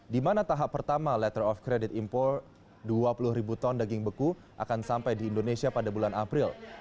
di mana tahap pertama letter of credit impor dua puluh ribu ton daging beku akan sampai di indonesia pada bulan april